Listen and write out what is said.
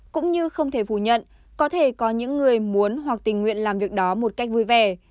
cũng như không thể phủ nhận có thể có những người muốn hoặc tình nguyện làm việc đó một cách vui vẻ